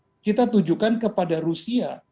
oke lagi kita tujukan kepada rusia